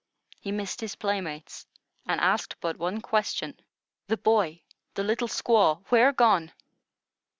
He missed his playmates, and asked but one question: "The boy, the little squaw, where gone?"